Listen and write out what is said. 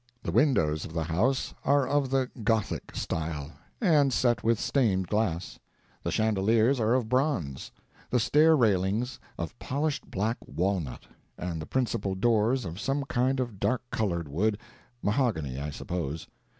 The windows of the house are of the "Gothic" style, and set with stained glass; the chandeliers are of bronze; the stair railings of polished black walnut, and the principal doors of some kind of dark colored wood—mahogany, I suppose.